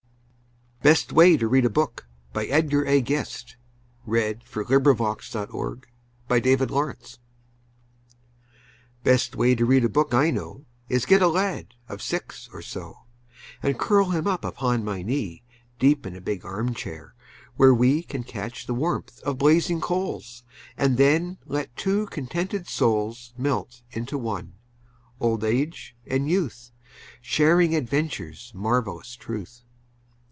Than that of him who is a boy, a little boy on Christmas Day. Best Way to Read a Book Best way to read a book I know Is get a lad of six or so, And curl him up upon my knee Deep in a big arm chair, where we Can catch the warmth of blazing coals, And then let two contented souls Melt into one, old age and youth, Sharing adventure's marvelous truth.